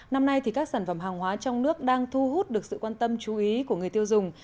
năm nay các sản phẩm hàng hóa trong nước đang thu hút được sự quan tâm chú ý của người tiêu dùng